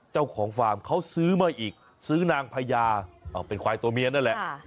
ฟาร์มเขาซื้อมาอีกซื้อนางพญาเป็นควายตัวเมียนั่นแหละ